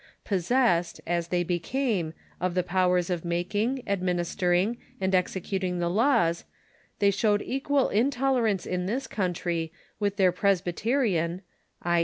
Possessed, as they became, of the powers of making, administering, and executing the laws, they showed equal intolerance in this country Avith their Presbyte rian [i.